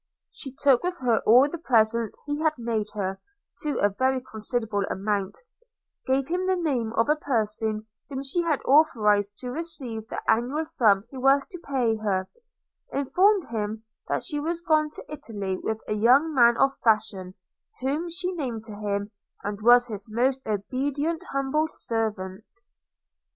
She took with her all the presents he had made her, to a very considerable amount – gave him the name of a person whom she had authorised to receive the annual sum he was to pay her – informed him she was gone to Italy with a young man of fashion, whom she named to him, and was his most obedient humble servant.